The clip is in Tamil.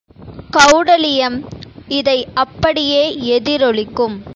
கெளடலீயம் இதை அப்படியே எதிரொலிக்கும்.